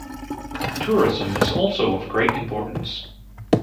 Tourism is also of great importance.